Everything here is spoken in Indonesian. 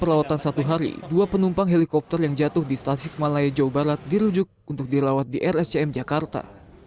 perlawatan satu hari dua penumpang helikopter yang jatuh di stasiun malaya jawa barat dirujuk untuk dirawat di rscm jakarta